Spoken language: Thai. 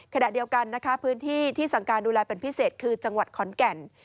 ขณะเดียวกันนะคะพื้นที่ที่สั่งการดูแลเป็นพิเศษคือจังหวัดขอนแก่น